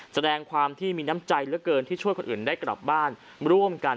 แสดงความที่มีน้ำใจเหลือเกินที่ช่วยคนอื่นได้กลับบ้านร่วมกัน